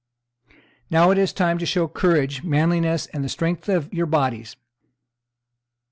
Now is the time to show courage, manliness, and the strength of your bodies.